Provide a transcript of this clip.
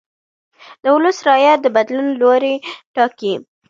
د ولس رایه د بدلون لوری ټاکي